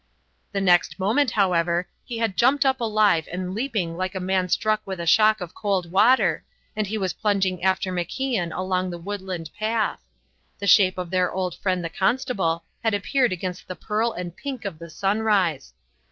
The next moment, however, he had jumped up alive and leaping like a man struck with a shock of cold water, and he was plunging after MacIan along the woodland path. The shape of their old friend the constable had appeared against the pearl and pink of the sunrise.